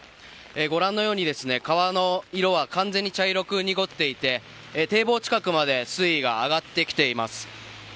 ご覧のように川の色は完全に茶色く濁っていて堤防近くまで水位が上がってきています。